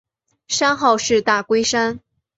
山号是大龟山。